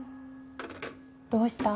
どうした？